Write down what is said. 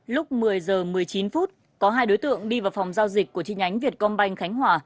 lúc một mươi h một mươi chín phút có hai đối tượng đi vào phòng giao dịch của chi nhánh việt công banh khánh hòa